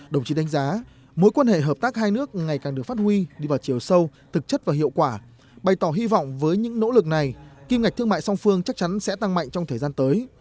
đồng chí đánh giá mối quan hệ hợp tác hai nước ngày càng được phát huy đi vào chiều sâu thực chất và hiệu quả bày tỏ hy vọng với những nỗ lực này kim ngạch thương mại song phương chắc chắn sẽ tăng mạnh trong thời gian tới